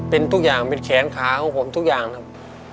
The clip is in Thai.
เป็นทุกอย่างเป็นแขนขาของผมทุกอย่างครับ